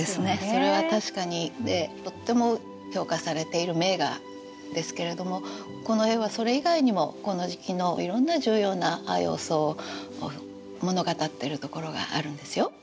それは確かにでとっても評価されている名画ですけれどもこの絵はそれ以外にもこの時期のいろんな重要な要素を物語ってるところがあるんですよ。